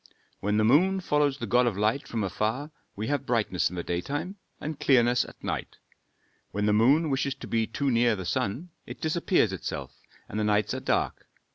When the moon follows the god of light from afar, we have brightness in the daytime and clearness at night. When the moon wishes to be too near the sun, it disappears itself and the nights are dark.